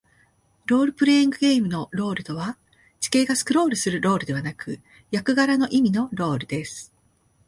ロールプレイングゲームのロールとは、地形がスクロールするロールではなく、役柄の意味のロールです。